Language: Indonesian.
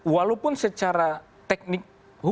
walaupun secara teknik